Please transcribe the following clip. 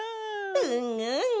うんうん！